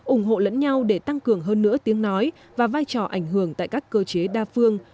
ủng hộ lẫn nhau để tăng cường hơn nữa tiếng nói và vai trò ảnh hưởng tại các cơ chế đa phương